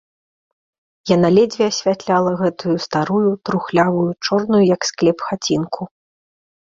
Яна ледзьве асвятляла гэтую старую, трухлявую, чорную, як склеп, хацінку.